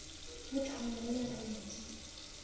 不常流泪的眼睛